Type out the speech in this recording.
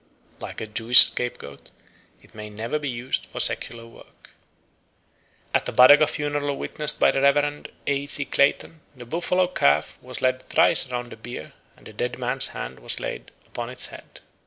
Like the Jewish scapegoat, it may never be used for secular work." At a Badaga funeral witnessed by the Rev. A. C. Clayton the buffalo calf was led thrice round the bier, and the dead man's hand was laid on its head.